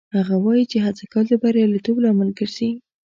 هغه وایي چې هڅه کول د بریالیتوب لامل ګرځي